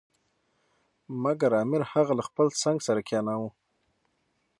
مګر امیر هغه له خپل څنګ سره کښېناوه.